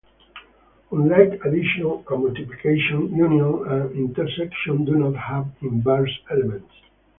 Unlike addition and multiplication, union and intersection do not have inverse elements.